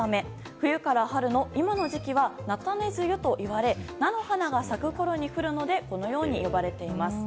冬から春の今の時期はなたね梅雨と言われ菜の花が咲くころに降るのでこのように呼ばれています。